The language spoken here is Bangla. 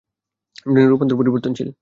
জনির রূপান্তর পরিবর্তনশীল?